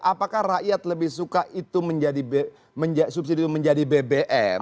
apakah rakyat lebih suka itu menjadi bbm